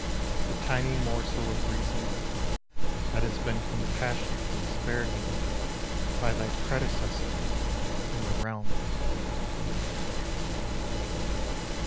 The tiny morsel of reason, That has been compassionately spared me By thy predecessor in the realm.